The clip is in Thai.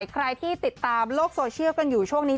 ใครที่ติดตามโลกโซเชียลกันอยู่ช่วงนี้